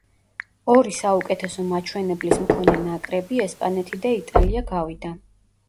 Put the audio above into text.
ორი საუკეთესო მაჩვენებლის მქონე ნაკრები, ესპანეთი და იტალია, გავიდა.